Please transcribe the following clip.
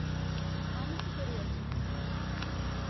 আমি কী করিয়াছি।